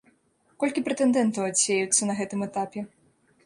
Колькі прэтэндэнтаў адсеюцца на гэтым этапе?